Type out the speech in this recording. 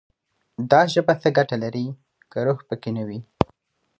دا ژبه څه ګټه لري، که روح پکې نه وي»